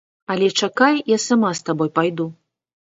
Але чакай, я сама з табой пайду.